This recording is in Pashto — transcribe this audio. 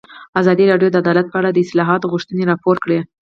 ازادي راډیو د عدالت په اړه د اصلاحاتو غوښتنې راپور کړې.